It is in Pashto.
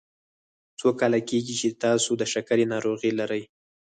څو کاله کیږي چې تاسو د شکرې ناروغي لری؟